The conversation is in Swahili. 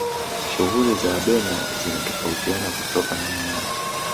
shughuli za wabena zinatofautiana kutoka na eneo